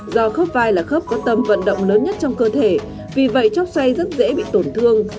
do khớp vai là khớp có tâm vận động lớn nhất trong cơ thể vì vậy chóc xoay rất dễ bị tổn thương